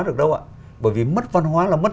được đâu ạ bởi vì mất văn hóa là mất